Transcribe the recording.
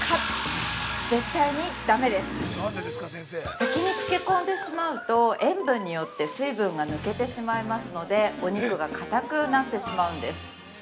先に漬け込んでしまうと塩分によって水分が抜けてしまいますのでお肉がかたくなってしまうんです。